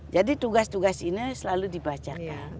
jadi tugas tugas ini selalu dibacakan